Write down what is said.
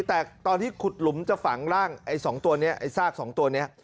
แต่ตอนที่ขุดหลุมจะฝังร่างไอ้๒ตัวนี้ไอ้ซากสองตัวนี้